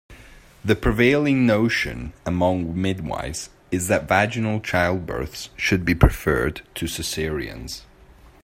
The prevailing notion among midwifes is that vaginal childbirths should be preferred to cesareans.